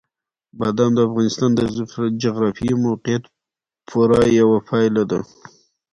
بادام د افغانستان د جغرافیایي موقیعت پوره یوه پایله ده.